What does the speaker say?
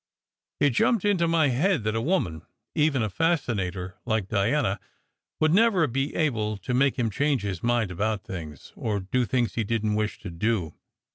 It jumped into my head that a woman even a fascinator like Diana would never be able to make him change his mind about things, or do things he didn t wish to do.